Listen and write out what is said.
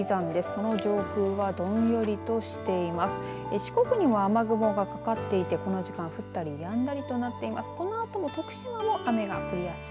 その上空はどんよりとしています。